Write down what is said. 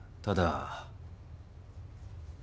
ただ。